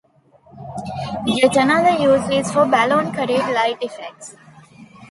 Yet another use is for balloon-carried light effects.